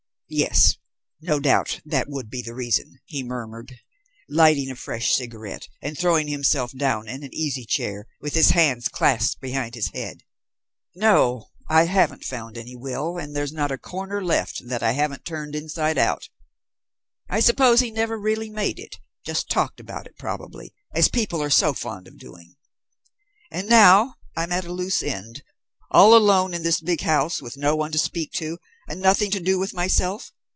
"Yes, no doubt, that would be the reason," he murmured, lighting a fresh cigarette, and throwing himself down in an easy chair, with his hands clasped behind his head. "No, I haven't found any will, and there's not a corner left that I haven't turned inside out. I suppose he never really made it. Just talked about it, probably, as people are so fond of doing. And now I'm at a loose end; all alone in this big house with no one to speak to and nothing to do with myself.